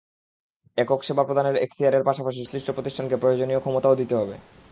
একক সেবা প্রদানের এখতিয়ারের পাশাপাশি সংশ্লিষ্ট প্রতিষ্ঠানকে প্রয়োজনীয় ক্ষমতাও দিতে হবে।